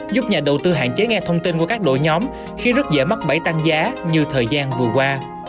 giúp nhà đầu tư hạn chế nghe thông tin của các đội nhóm khi rất dễ mắc bẫy tăng giá như thời gian vừa qua